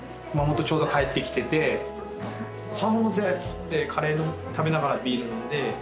ちょうど帰ってきてて頼もうぜっつってカレー食べながらビール飲んで。